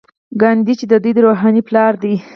ګاندي جی د دوی روحاني پلار دی.